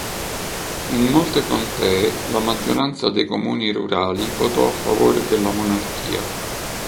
In molte contee la maggioranza dei comuni rurali votò a favore della monarchia.